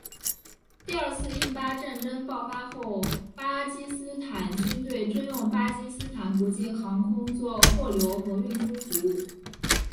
第二次印巴战争爆发后巴基斯坦军队征用巴基斯坦国际航空做货流和运输服务。